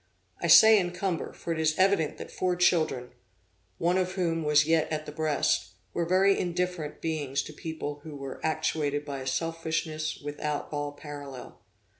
I say encumber, for it is evident that four children, one of whom was yet at the breast, were very indifferent beings to people who were actuated by a selfishness without all parallel.